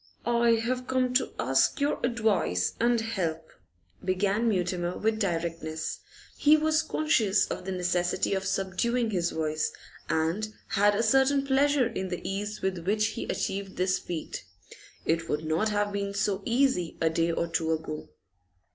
'I have come to ask your advice and help,' began Mutimer with directness. He was conscious of the necessity of subduing his voice, and had a certain pleasure in the ease with which he achieved this feat. It would not have been so easy a day or two ago.